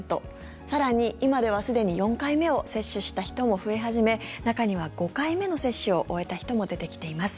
更に、今ではすでに４回目を接種した人も増え始め中には５回目の接種を終えた人も出てきています。